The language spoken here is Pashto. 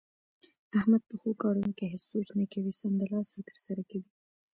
احمد په ښو کارونو کې هېڅ سوچ نه کوي، سمدلاسه یې ترسره کوي.